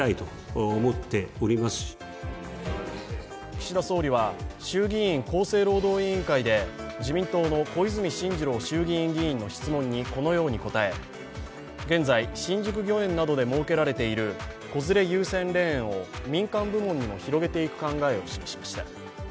岸田総理は衆議院厚生労働委員会で自民党の小泉進次郎衆院議員の質問にこのように答え現在、新宿御苑などで設けられている子連れ優先レーンを民間部門にも広げていく考えを示しました。